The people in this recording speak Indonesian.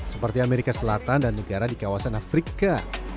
seperti amerika selatan dan negara di kawasan afrika